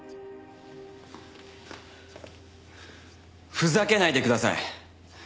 ふざけないでください！